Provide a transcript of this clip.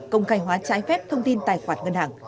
công khai hóa trái phép thông tin tài khoản ngân hàng